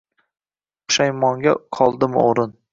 Pushaymonga qoldimi o’rin